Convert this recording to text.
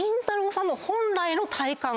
さんの本来の体幹。